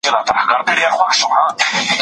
که موږ یووالي ولرو نو هېڅوک مو نه سي ماتولی.